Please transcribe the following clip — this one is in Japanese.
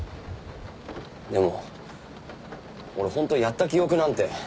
でも俺本当やった記憶なんて。